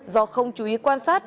do không chú ý quan sát